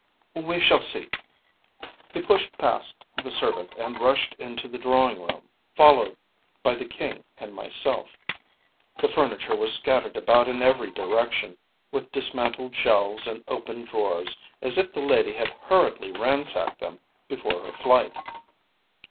‚ÄĚ “We shall see.‚ÄĚ He pushed past the servant and rushed into the drawing room, followed by the King and myself. The furniture was scattered about in every direction, with dismantled shelves and open drawers, as if the lady had hurriedly ransacked them before her flight.